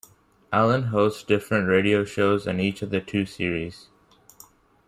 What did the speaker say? Alan hosts different radio shows on each of the two series.